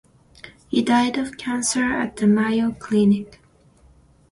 He died of cancer at the Mayo Clinic.